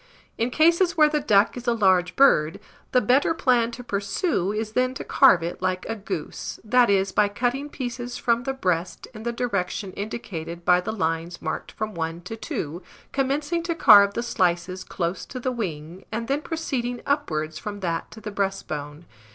In cases where the duck is a large bird, the better plan to pursue is then to carve it like a goose, that is, by cutting pieces from the breast in the direction indicated by the lines marked from 1 to 2, commencing to carve the slices close to the wing, and then proceeding upwards from that to the breastbone.